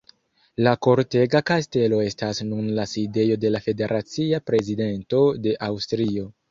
La Kortega Kastelo estas nun la sidejo de la federacia prezidento de Aŭstrio.